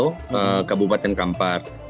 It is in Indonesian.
riau kabupaten kampar